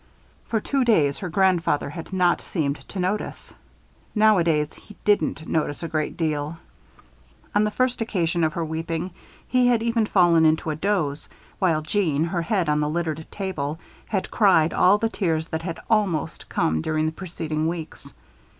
For two days her grandfather had not seemed to notice. Nowadays, he didn't notice a great deal. On the first occasion of her weeping, he had even fallen into a doze, while Jeanne, her head on the littered table, had cried all the tears that had almost come during the preceding weeks.